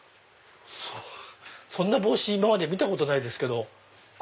そんな帽子今まで見たことないですけど。